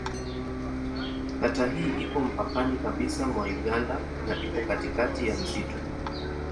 Kata hii ipo mpakani kabisa mwa Uganda na ipo katikati ya msitu.